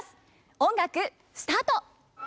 音楽スタート！